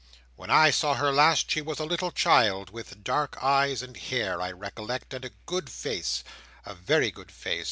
when I saw her last, she was a little child. With dark eyes and hair, I recollect, and a good face; a very good face!